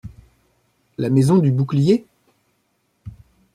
La maison du Bouclier ?…